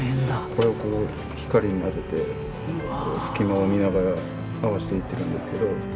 これをこう光に当てて隙間を見ながら合わしていってるんですけど。